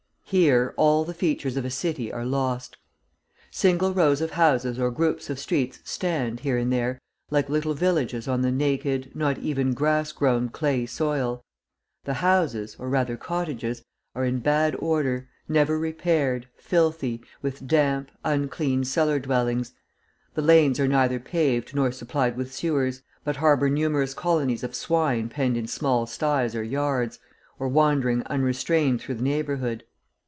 Here all the features of a city are lost. Single rows of houses or groups of streets stand, here and there, like little villages on the naked, not even grass grown clay soil; the houses, or rather cottages, are in bad order, never repaired, filthy, with damp, unclean, cellar dwellings; the lanes are neither paved nor supplied with sewers, but harbour numerous colonies of swine penned in small sties or yards, or wandering unrestrained through the neighbourhood.